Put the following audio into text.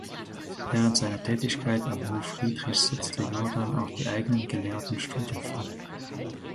Während seiner Tätigkeit am Hof Friedrichs setzte Jordan auch die eigenen gelehrten Studien fort.